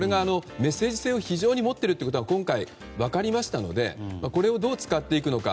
メッセージ性を非常に持っているということが今回、分かりましたのでこれをどう使っていくのか。